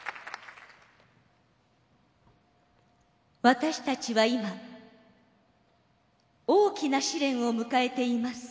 私たちは今大きな試練を迎えています。